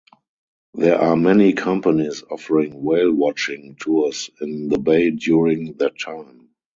There are many companies offering whale watching tours in the bay during that time.